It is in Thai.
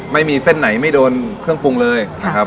ไม่มีเศษไหนไม่โดนเครื่องปรุงเลย